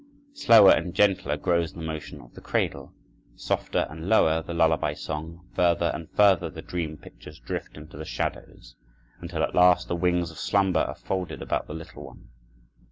Slower and gentler grows the motion of the cradle, softer and lower the lullaby song, further and further the dream pictures drift into the shadows, until at last the wings of slumber are folded about the little one.